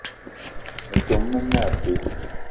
Metom me ne abe.